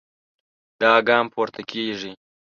دا ګام پورته کېږي.